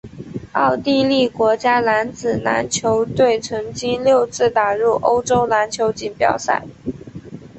奥地利国家男子篮球队曾经六次打入欧洲篮球锦标赛。